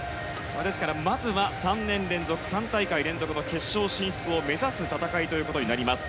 ですから、まずは３年連続、３大会連続の決勝進出を目指す戦いとなります。